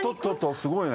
すごいね。